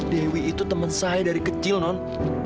dewi itu teman saya dari kecil non